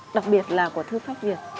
đặc biệt là của thư pháp việt